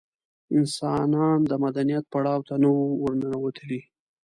انسانان د مدنیت پړاو ته نه وو ورننوتلي.